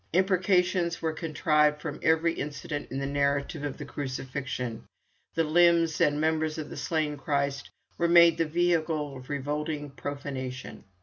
Imprecations were contrived from every incident in the narrative of the Crucifixion. The limbs and members of the slain Christ were made the vehicle of revolting profanation.